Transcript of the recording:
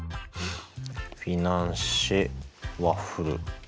フィナンシェ・ワッフル。